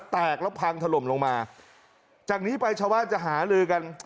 แตกแล้วพังถล่มลงมาจากนี้ไปชาวบ้านจะหาลือกัน